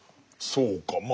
そうか。